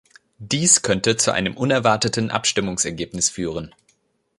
Dies könnte zu einem unerwarteten Abstimmungsergebnis führen.